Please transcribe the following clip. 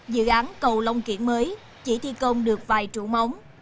dự án cầu long kiểng mới chỉ thi công được vài trụ mống